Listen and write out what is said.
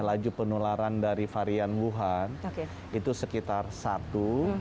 laju penularan dari varian wuhan itu sekitar satu